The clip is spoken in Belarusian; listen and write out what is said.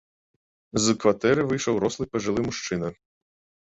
З кватэры выйшаў рослы пажылы мужчына.